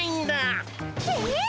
え！